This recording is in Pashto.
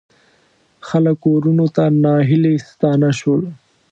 خلک کورونو ته ناهیلي ستانه شول.